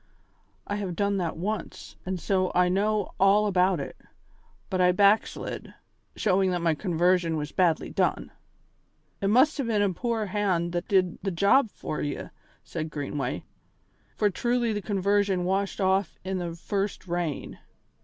I have done that once, and so I know all about it; but I backslid, showing that my conversion was badly done." "It must hae been a poor hand that did the job for ye," said Greenway, "for truly the conversion washed off in the first rain."